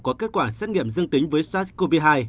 có kết quả xét nghiệm dương tính với sars cov hai